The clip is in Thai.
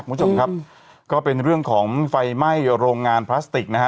คุณผู้ชมครับก็เป็นเรื่องของไฟไหม้โรงงานพลาสติกนะฮะ